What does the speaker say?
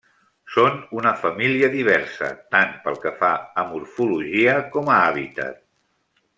Són una família diversa, tant pel que fa a morfologia com a hàbitat.